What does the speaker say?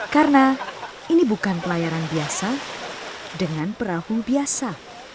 karena ini bukan pelayaran biasa dengan perahu biasa